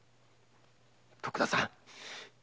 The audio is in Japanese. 徳田さん。